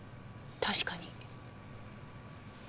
確かに。